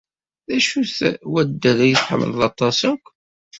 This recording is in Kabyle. D acu-t waddal ay tḥemmled aṭas akk?